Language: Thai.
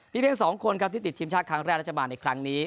เพียง๒คนครับที่ติดทีมชาติครั้งแรกรัฐบาลในครั้งนี้